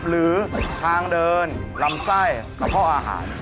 หรือทางเดินลำไส้กระเพาะอาหาร